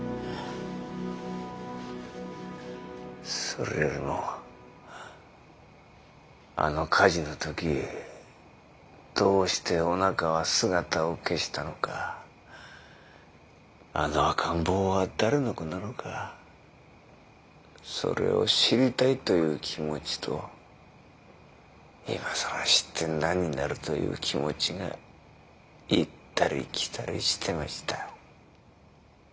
それよりもあの火事の時どうしておなかは姿を消したのかあの赤ん坊は誰の子なのかそれを知りたいという気持ちと今更知って何になるという気持ちが行ったり来たりしてました。